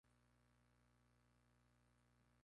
Cantera Real Madrid.